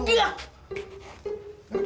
stadinya sama kasih